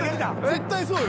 絶対そうよ。